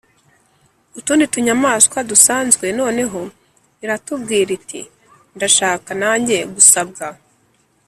utundi tunyamaswa dusanzwe, noneho iratubwira iti: ‘ndashaka nanjye gusabwa.